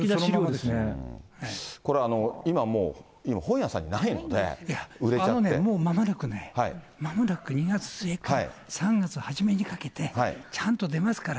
これ、今もう、今、本屋さんあのね、もうまもなく、まもなく２月末から３月初めにかけて、ちゃんと出ますから。